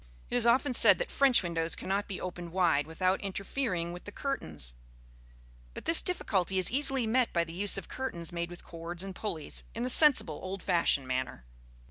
It is often said that French windows cannot be opened wide without interfering with the curtains; but this difficulty is easily met by the use of curtains made with cords and pulleys, in the sensible old fashioned manner.